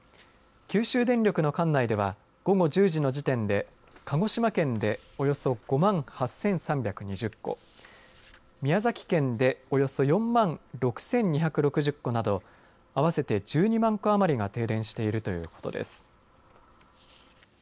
九州電力の管内では午後１０時の時点で鹿児島県でおよそ５万８３２０戸宮崎県で、およそ４万６２６０戸など合わせて１２万戸余りが停電しているということです。